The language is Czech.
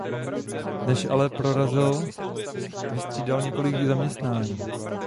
Než ale prorazil vystřídal několik zaměstnání.